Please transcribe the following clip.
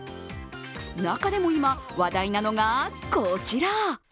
中でも今、話題なのがこちら。